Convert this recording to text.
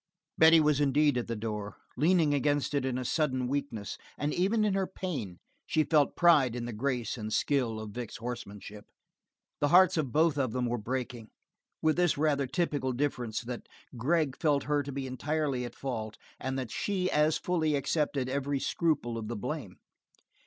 Betty was indeed at the door, leaning against it in a sudden weakness, and even in her pain she felt pride in the grace and skill of Vic's horsemanship. The hearts of both of them were breaking, with this rather typical difference: that Gregg felt her to be entirely at fault, and that she as fully accepted every scruple of the blame.